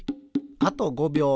あと５びょう。